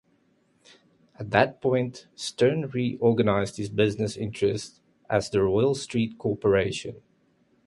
At that point, Stern reorganized his business interests as the Royal Street Corporation.